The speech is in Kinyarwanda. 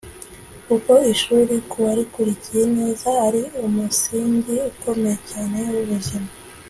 kuko ishuri ku warikurikiye neza ari umusingi ukomeye cyane w’ubuzima.